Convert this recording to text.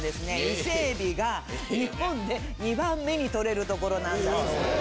伊勢海老が日本で２番目にとれる所なんだそうです。